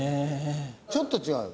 ちょっと違うよ。